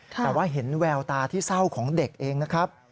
แต่ว่าเห็นแววตาที่เศร้าของเด็กเองนะครับ